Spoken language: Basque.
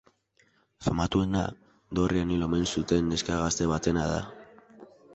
Famatuena dorrean hil omen zuten neska gazte batena da.